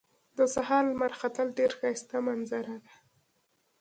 د سهار لمر ختل ډېر ښایسته منظره ده